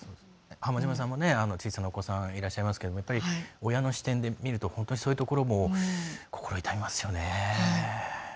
浜島さんも、小さなお子さんがいらっしゃいますが親の視点で見るとそういうところも心痛みますよね。